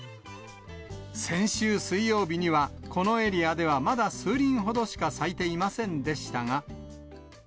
先週水曜日にはこのエリアではまだ数輪ほどしか咲いていませんでしたが。